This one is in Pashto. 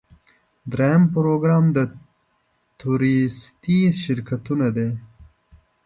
دریم پروګرام د تورېستي شرکتونو دی.